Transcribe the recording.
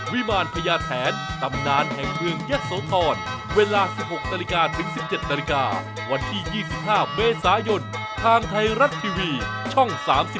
วิมารพญาแถนตำนานแห่งเมืองเยอะโสธรเวลา๑๖๑๗นวันที่๒๕เมษายนทางไทยรัดทีวีช่อง๓๒